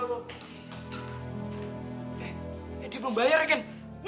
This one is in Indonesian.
eh dia belum bayar ya ken